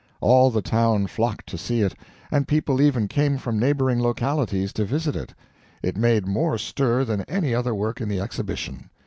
All the town flocked to see it, and people even came from neighboring localities to visit it. It made more stir than any other work in the Exhibition.